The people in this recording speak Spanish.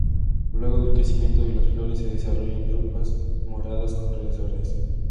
Luego del crecimiento de las flores se desarrollan drupas moradas con rayas verdes.